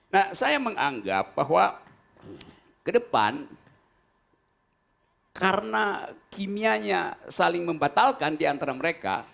nah saya menganggap bahwa ke depan karena kimianya saling membatalkan diantara mereka